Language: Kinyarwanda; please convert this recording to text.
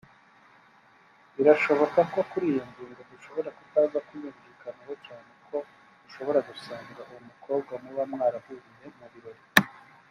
Birashoboka ko kuri iyi ngingo dushobora kutaza kuyumvikanaho cyane ko ushobora gusanga uwo mukobwa muba mwaranahuriye mu birori